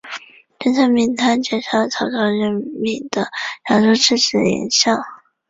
孙策命他截杀了曹操任命的扬州刺史严象。